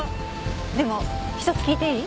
でも１つ聞いていい？